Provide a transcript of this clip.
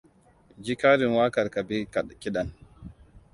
Ji karin waƙar ka bi kiɗan.